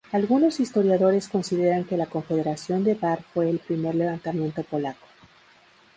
Algunos historiadores consideran que la Confederación de Bar fue el primer levantamiento polaco.